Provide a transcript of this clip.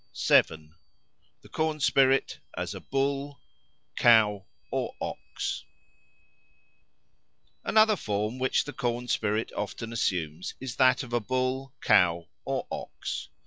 7. The Corn spirit as a Bull, Cow, or Ox ANOTHER form which the corn spirit often assumes is that of a bull, cow, or ox.